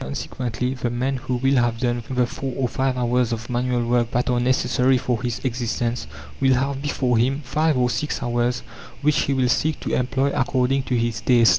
Consequently, the man who will have done the 4 or 5 hours of manual work that are necessary for his existence, will have before him 5 or 6 hours which he will seek to employ according to his tastes.